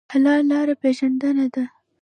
حل لاره پېژندنه ده.